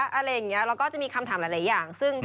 อะไรอย่างนี้แล้วก็จะมีคำถามหลายอย่าง